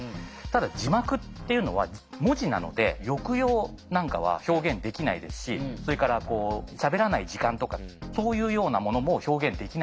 ただ字幕っていうのは文字なので抑揚なんかは表現できないですしそれからしゃべらない時間とかそういうようなものも表現できないわけです。